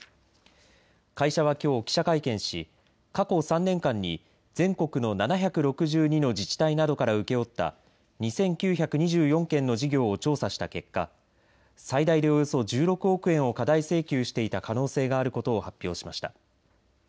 会社はきょう記者会見し、過去３年間に全国の７６２の自治体などから請け負った２９２４件の事業を調査した結果、最大でおよそ１６億円を過大請求していた可能性があることを発表しました。